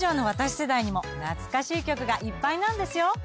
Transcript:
世代にも懐かしい曲がいっぱいなんですよ。